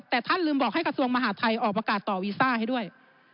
แต่ท่านลืมบอกให้กระทรวงมหาทัยออกประกาศต่อวีซ่าให้ด้วย